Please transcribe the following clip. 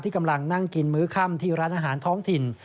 กำลังนั่งกินมื้อค่ำที่ร้านอาหารท้องถิ่น